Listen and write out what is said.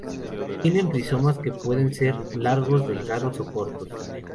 Tienen rizomas que pueden ser largos, delgados o cortos.